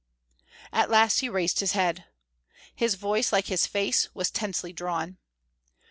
At last he raised his head. His voice, like his face, was tensely drawn.